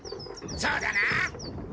そうだな！